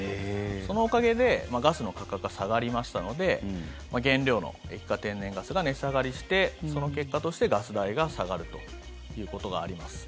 そのおかげでガスの価格が下がりましたので原料の液化天然ガスが値下がりしてその結果としてガス代が下がるということがあります。